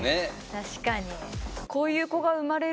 確かに。